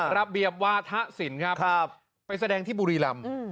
ระเบียบวาทะสินครับครับไปแสดงที่บุรีลำอืม